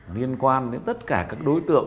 liên quan đến tất cả các đối tượng